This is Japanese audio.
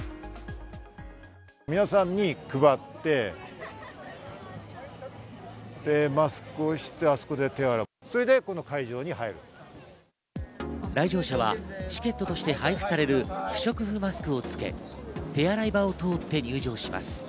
皆さんに配って、マスクをして、あそこで来場者はチケットとして配布される不織布マスクをつけ、手洗い場を通って入場します。